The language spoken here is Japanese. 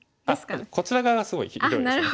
こちら側がすごい広いですね。